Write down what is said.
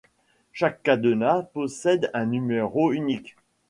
Chaque cadenas possède un numéro unique.